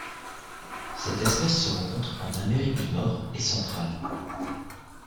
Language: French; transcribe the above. Cette espèce se rencontre en Amérique du Nord et centrale.